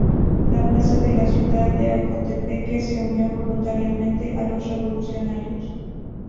La plaza de la ciudad de Ocotepeque se unió voluntariamente a los revolucionarios.